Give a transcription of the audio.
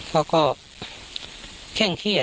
เขาก็เคร่งเครียด